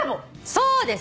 そうです。